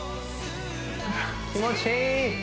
気持ちいい！